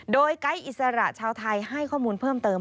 โดยไกด์อิสระชาวไทยให้ข้อมูลเพิ่มเติม